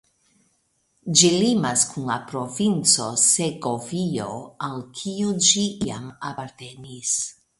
Ĝi limas kun la provinco Segovio al kiu ĝi iam apartenis.